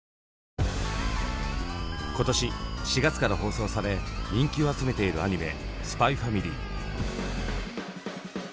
今年４月から放送され人気を集めているアニメ「ＳＰＹ×ＦＡＭＩＬＹ」。